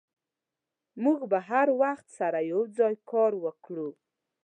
موږ به هر وخت سره یوځای کار وکړو.